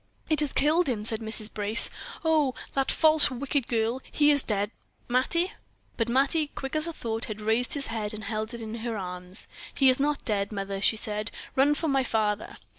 "It has killed him," said Mrs. Brace. "Oh! that false, wicked girl! He is dead, Mattie?" But Mattie, quick as thought, had raised his head and held it in her arms. "He is not dead, mother," she said. "Run for my father."